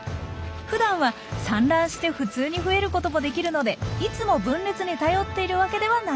ふだんは産卵して普通に増えることもできるのでいつも分裂に頼っているわけではないんです。